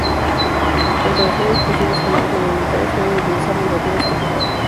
Tanto las formas cursivas como las monumentales suelen utilizar ligaduras tipográficas.